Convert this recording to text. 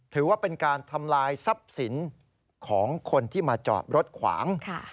ถือว่าเป็นการทำลายทรัพย์สินของคนที่มาจอดรถขวาง